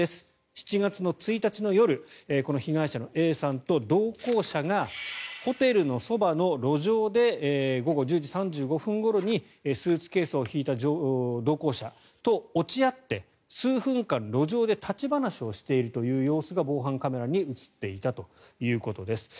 ７月１日の夜この被害者のＡさんと同行者がホテルのそばの路上で午後１０時３５分ごろにスーツケースを引いた同行者と落ち合って数分間、路上で立ち話をしているという様子が防犯カメラに映っていたということです。